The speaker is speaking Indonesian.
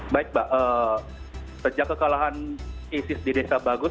baik mbak sejak kekalahan isis di desa bagus